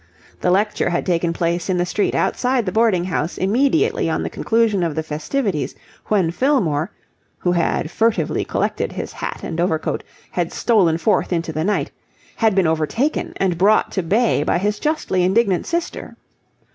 The lecture had taken place in the street outside the boarding house immediately on the conclusion of the festivities, when Fillmore, who had furtively collected his hat and overcoat, had stolen forth into the night, had been overtaken and brought to bay by his justly indignant sister.